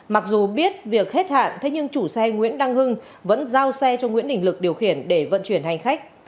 mặc dù biết việc hết hạn thế nhưng chủ xe nguyễn đăng hưng vẫn giao xe cho nguyễn đình lực điều khiển để vận chuyển hành khách